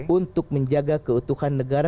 untuk menjaga keutuhan negara